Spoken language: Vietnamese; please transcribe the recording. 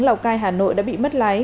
lào cai hà nội đã bị mất lái